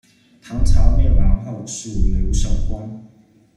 唐朝灭亡后，属刘守光。